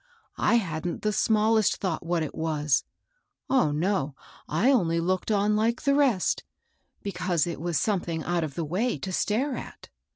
I hadn't the smallest thought what it was, — oh, no ! I only looked on like the rest, because it was something out of the way to stare at.